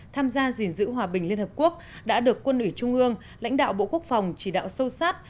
tham gia gìn giữ hòa bình liên hợp quốc đã được quân ủy trung ương lãnh đạo bộ quốc phòng chỉ đạo sâu sát